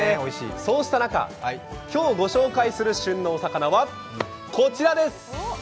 そうした中、今日ご紹介する旬のお魚はこちらです！